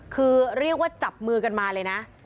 คือเรียกว่าจับมือกันมาเลยนะ